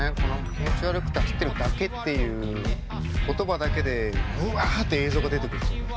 「気持ち悪くて走ってるだけ」っていう言葉だけでうわって映像が出てくる。ね。